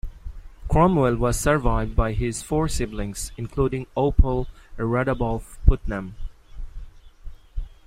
Cromwell was survived by his four siblings, including Opal Radabaugh Putnam.